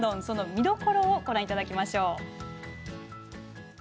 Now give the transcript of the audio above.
その見どころをご覧いただきましょう。